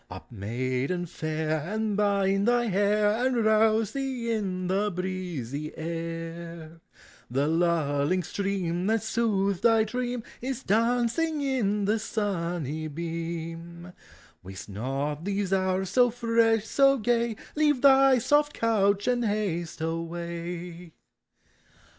Up, maiden fair! and bind tliv hair. And rouse thee in the breezy air! The lulling stream that soothed tin dream Is dancing in the sunn\ beam. Waste not these hours, so fresh, so gaj : Leave thy soft couch and haste awaj